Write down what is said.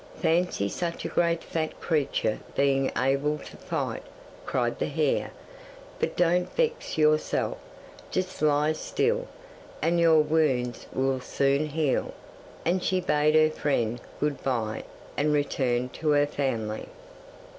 Fancy such a great fat creature being able to fight!" cried the hare. "But don't vex yourself. Just lie still, and your wounds will soon heal," and she bade her friend, good bye, and returned to her family.